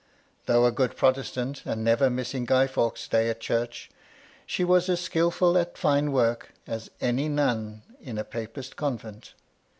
Though a good Protestant, and never missing Guy Faux' day at church, she was as skilful at fine work as any nun in a Papist convent.